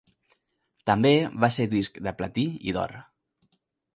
També va ser disc de platí i d'or.